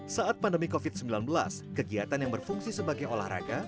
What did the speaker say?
saat pandemi covid sembilan belas kegiatan yang berfungsi sebagai olahraga